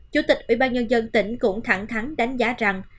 chủ tịch ủy ban nhân dân tỉnh cũng thẳng thắng đánh giá rằng